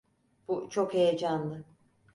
Bu çok heyecanlı.